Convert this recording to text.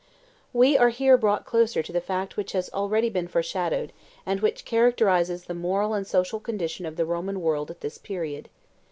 We are here brought closer to the fact which has already been foreshadowed, and which characterizes the moral and social condition of the Roman world at this period.